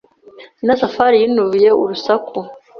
Nyirasafari yinubiye urusaku.